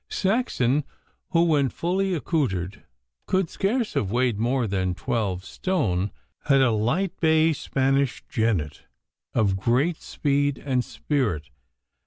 Saxon, who when fully accoutred could scarce have weighed more than twelve stone, had a light bay Spanish jennet, of great speed and spirit.